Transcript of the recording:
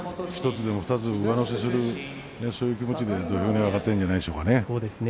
１つでも２つでも上乗せするそういう気持ちで土俵に上がってるんじゃないですか。